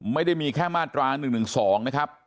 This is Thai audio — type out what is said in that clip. ไม่ได้มีแค่มาตรา๑๑๒นะครับ